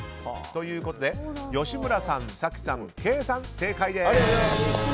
ということで吉村さん、早紀さん、ケイさん正解です。